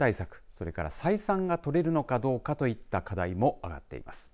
それから採算がとれるのかどうかといった課題も挙がっています。